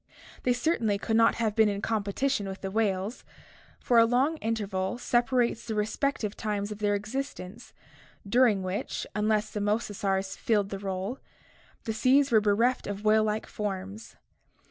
They certainly could not have been in competition with the whales, for a long interval separates the respective times of their existence during which, unless the mosasaurs filled the rdle, the seas were bereft of whale like forms.